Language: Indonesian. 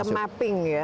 jadi harus mapping ya